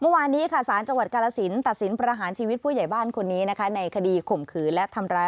เมื่อวานนี้ค่ะสารจังหวัดกาลสินตัดสินประหารชีวิตผู้ใหญ่บ้านคนนี้นะคะ